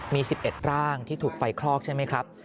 มี๑๑ร่างที่ถูกไฟคลอกใช่ไหมครับ